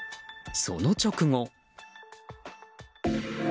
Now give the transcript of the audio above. その直後。